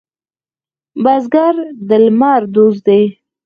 بزګر د لمر دوست دی